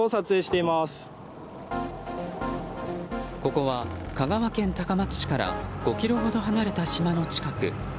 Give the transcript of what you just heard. ここは香川県高松市から５ｋｍほど離れた島の近く。